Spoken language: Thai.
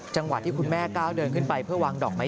จังหวะที่คุณแม่ก้าวเดินขึ้นไปเพื่อวางดอกไม้